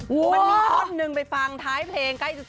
มันมีท่อนหนึ่งไปฟังท้ายเพลงใกล้จะเจอ